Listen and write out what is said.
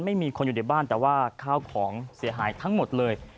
ไม่มีคนอยู่ในบ้านแต่ว่าข้าวของเสียหายทั้งหมดเลย